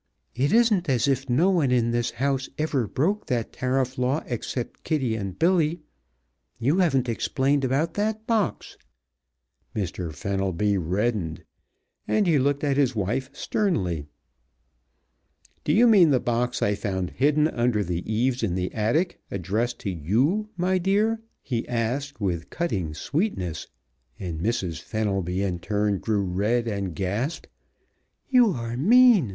It isn't as if no one in this house ever broke that tariff law except Kitty and Billy; you haven't explained about that box " Mr. Fenelby reddened and he looked at his wife sternly. "Do you mean the box I found hidden under the eaves in the attic, addressed to you, my dear?" he asked with cutting sweetness, and Mrs. Fenelby, in turn, grew red and gasped. "You are mean!"